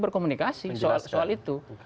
berkomunikasi soal itu